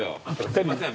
すいません